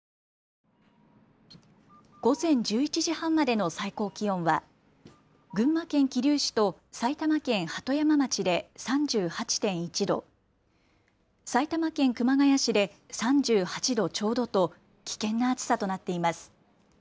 午前１１時半までの最高気温は群馬県桐生市と埼玉県鳩山町で３８．１度、埼玉県熊谷市で３８度ちょうどと危険な暑さとなっています。